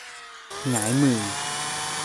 หงายมือ